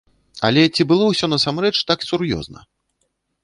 Але ці было ўсё насамрэч так сур'ёзна?